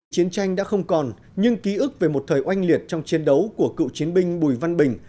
chiến tranh đã không còn nhưng ký ức về một thời oanh liệt trong chiến đấu của cựu chiến binh bùi văn bình